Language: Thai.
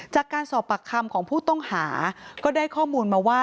จากการสอบปากคำของผู้ต้องหาก็ได้ข้อมูลมาว่า